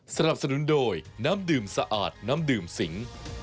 สนับสนุนโดยน้ำดื่มสะอาดน้ำดื่มสิง